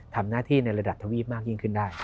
ทำหน้าที่ในระดับทวีปมากยิ่งขึ้นได้